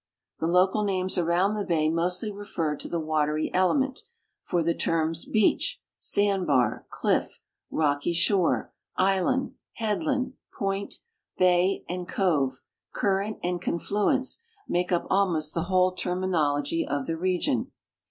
The local names around the bay mostl}^ refer to the watery element, for the terms, beach, sand bar, cliff, rocky shore, island, headland, point, bay and cove, current and confiacnce make up almost the whole terminology of the region.